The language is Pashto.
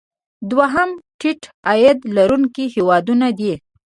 دوهم د ټیټ عاید لرونکي هیوادونه دي.